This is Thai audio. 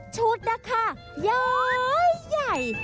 ชุดนะคะย้อยใหญ่